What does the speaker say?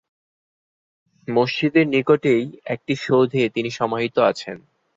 মসজিদের নিকটেই একটি সৌধে তিনি সমাহিত আছেন।